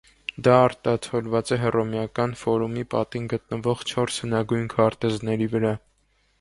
Դա արտացոլված է Հռոմեական ֆորումի պատին գտնվող չորս հնագույն քարտեզների վրա: